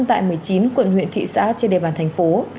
tại một mươi chín quận huyện thị xã trên địa bàn thành phố